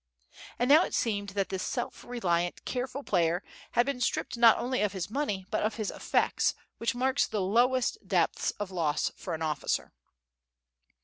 And now it seemed that this self reliant, careful player had been stripped not only of his money but of his effects, which marks the lowest depths of loss for an officer.